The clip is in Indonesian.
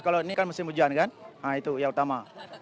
kalau ini kan musim hujan kan nah itu yang utama